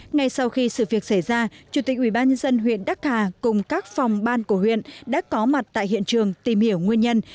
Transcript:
ngay sau khi sự việc xảy ra chủ tịch ubnd huyện đắc hà cùng các phòng ban của huyện đã có mặt tại hiện trường tìm hiểu nguyên nhân